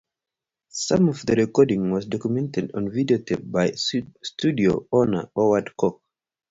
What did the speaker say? Some of the recording was documented on video tape by studio owner Howard Cook.